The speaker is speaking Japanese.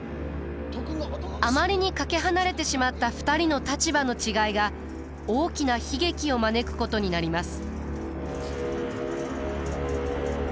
あまりにかけ離れてしまった２人の立場の違いが大きな悲劇を招くことになります。